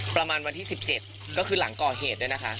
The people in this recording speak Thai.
ประมาณวันที่๑๗ก็คือหลังก่อเหตุด้วยนะคะ